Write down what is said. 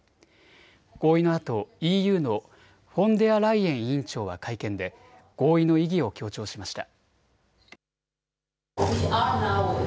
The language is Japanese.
合意のあとＥＵのフォンデアライエン委員長は会見で合意の意義を強調しました。